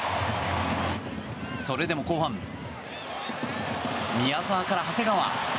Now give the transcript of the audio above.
それでも後半宮澤から長谷川。